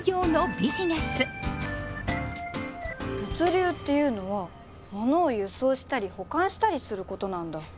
物流っていうのは物を輸送したり保管したりすることなんだ。